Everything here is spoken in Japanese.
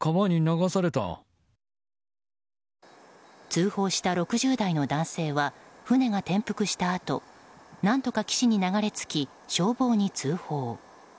通報した６０代の男性は船が転覆したあと何とか岸に流れ着き消防に通報。